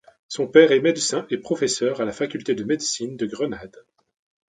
Son père est médecin et professeur à la faculté de médecine de Grenade.